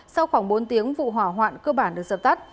sau khoảng bốn tiếng vụ hỏa hoạn cơ bản được dập tắt